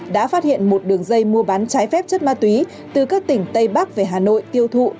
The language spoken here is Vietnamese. đã phát hiện một đường dây mua bán trái phép chất ma túy từ các tỉnh tây bắc về hà nội tiêu thụ